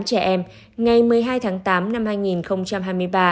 trẻ em ngày một mươi hai tháng tám năm hai nghìn hai mươi ba